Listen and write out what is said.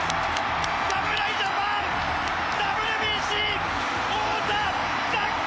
侍ジャパンＷＢＣ王座奪還！